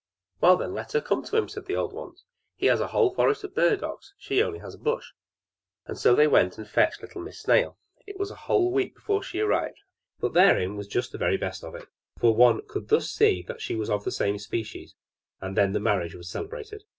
"Well, then, let her come to him!" said the old ones. "He has a whole forest of burdocks, she has only a bush!" And so they went and fetched little Miss Snail. It was a whole week before she arrived; but therein was just the very best of it, for one could thus see that she was of the same species. And then the marriage was celebrated.